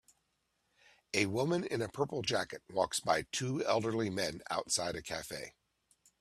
A woman in a purple jacket walks by two elderly men outside a cafe